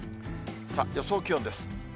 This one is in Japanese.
さあ、予想気温です。